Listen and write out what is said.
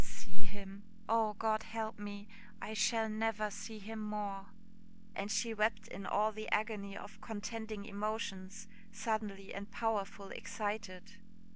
See him! oh, God help me! I shall never see him more!" And she wept in all the agony of contending emotions, suddenly and powerful excited.